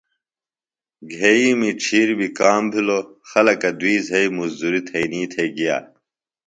گھئِیمی ڇِھیر بیۡ کام بِھلوۡ۔ خلکہ دُئی زھئی مُزدُریۡ تھئینی تھےۡ گِیا۔